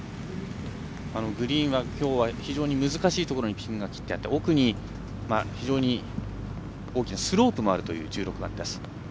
グリーンは、きょうは非常に難しいところにピンが切ってあって奥に非常に大きなスロープもある１６番です。